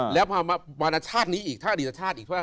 แล้วพอมารชาตินี้อีกถ้าอดีตชาติอีกเท่าไ